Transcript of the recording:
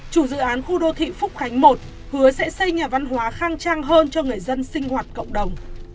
chủ dự án khu đô thị phúc khánh một hứa sẽ xây nhà văn hóa khang trang hơn cho người dân sinh hoạt cộng đồng